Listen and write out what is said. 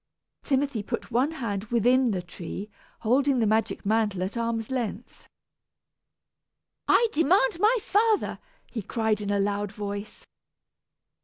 Timothy put one hand within the tree, holding the magic mantle at arm's length. "I demand my father," he cried in a loud voice.